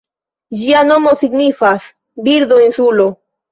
Ĝia nomo signifas "Birdo-insulo".